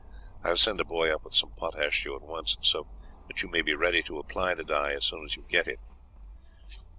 I will send a boy up with some potash to you at once, so that you may be ready to apply the dye as soon as you get it."